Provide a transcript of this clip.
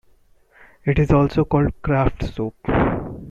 It is also called Kraft soap.